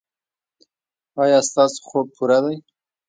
ایا ستاسو خوب پوره دی؟